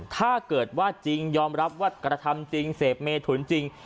ถ้าเกิดว่าจริงยอมรับว่ากระทำจริงเสพเมถุนจริง